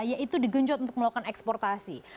yaitu digenjot untuk melakukan eksportasi